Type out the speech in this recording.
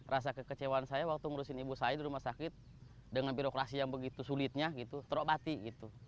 rasa kekecewaan saya waktu ngurusin ibu saya di rumah sakit dengan birokrasi yang begitu sulitnya gitu terok bati gitu